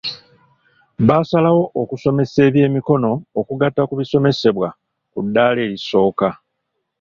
Basalawo okusomesa ebyemikono okugatta ku bisomesebwa ku ddala erisooka.